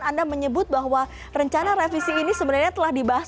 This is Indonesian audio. anda menyebut bahwa rencana revisi ini sebenarnya telah dibahas